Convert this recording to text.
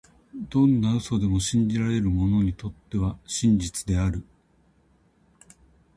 どんな嘘でも、信じられる者にとっては真実である。